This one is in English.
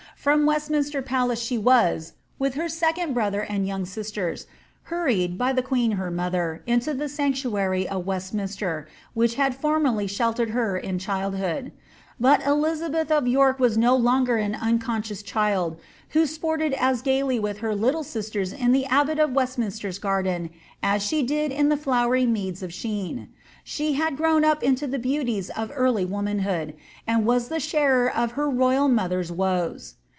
From West minster palace she was, with her second brother and young sisters, hur ried, by the queen her mother, into the sanctuary of Westminster, which had formerly sheltered her in childhood. But Elizabeth of York was no longer an unconscious child, who sported as gaily with her little sisters in the abbot of Westminster's garden as she did in the flowery meads of Shenc. She had grown up mto the beauties of early woman hood, and was tlie sharer of her royal mother's woes.